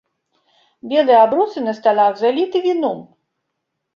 Белыя абрусы на сталах заліты віном.